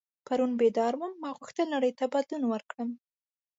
پرون بیدار وم ما غوښتل نړۍ ته بدلون ورکړم.